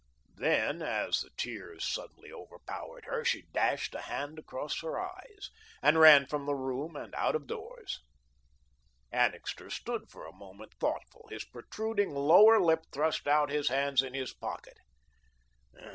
Then, as the tears suddenly overpowered her, she dashed a hand across her eyes, and ran from the room and out of doors. Annixter stood for a moment thoughtful, his protruding lower lip thrust out, his hands in his pocket.